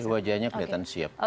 wajahnya kelihatan siap